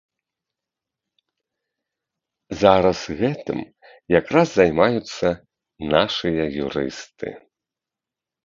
Зараз гэтым якраз займаюцца нашыя юрысты.